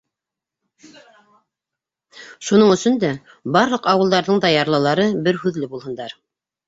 Шуның өсөн дә барлыҡ ауылдарҙың да ярлылары бер һүҙле булһындар.